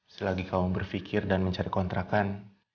selagi kamu berpikir dan mencari kontrakan